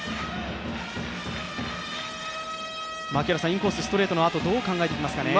インコースストレートのあと、どう考えてきますかね？